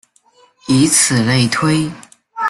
以此类推。